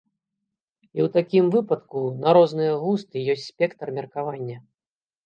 І ў такім выпадку на розныя густы ёсць спектр меркавання.